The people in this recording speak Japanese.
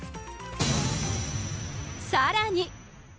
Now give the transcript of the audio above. さらに。